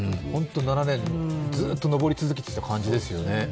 ７年ずっとのぼり続けてきた感じですよね。